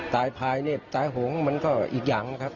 ภายเนี่ยตายหงมันก็อีกอย่างนะครับ